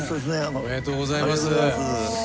ありがとうございます。